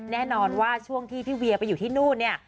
แน่นอนว่าช่วงที่พี่เวียไปอยู่ที่นู่นเนี่ย